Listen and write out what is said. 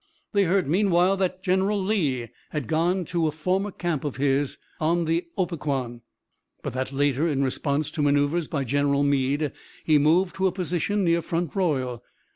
They heard meanwhile that General Lee had gone to a former camp of his on the Opequan, but that later in response to maneuvers by General Meade, he moved to a position near Front Royal.